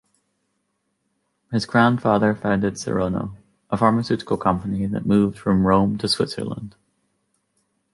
His grandfather founded Serono, a pharmaceutical company that moved from Rome to Switzerland.